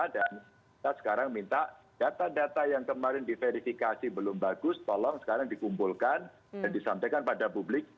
kita sekarang minta data data yang kemarin diverifikasi belum bagus tolong sekarang dikumpulkan dan disampaikan pada publik